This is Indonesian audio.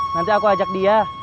nanti aku ajak dia